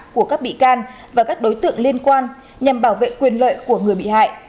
của các bị can và các đối tượng liên quan nhằm bảo vệ quyền lợi của người bị hại